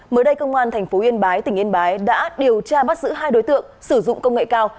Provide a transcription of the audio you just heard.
mới đây công an tp yên bái tỉnh yên bái đã điều tra bắt giữ hai đối tượng sử dụng công nghệ cao